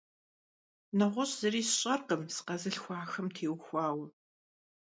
НэгъуэщӀ зыри сщӀэркъым сыкъэзылъхуахэм теухуауэ.